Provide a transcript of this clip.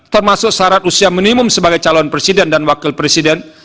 termasuk syarat usia minimum sebagai calon presiden dan wakil presiden